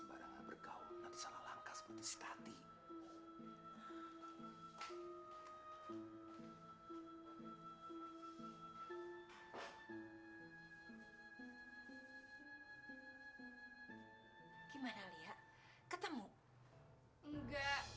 padahal aku udah cari sampai ke pelosok kampung